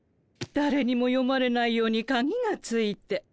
だれにも読まれないようにカギがついて。